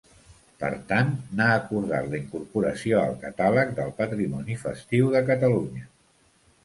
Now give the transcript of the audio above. Per tant, n'ha acordat la incorporació al Catàleg del Patrimoni Festiu de Catalunya.